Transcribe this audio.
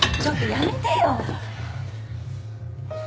やめてよ。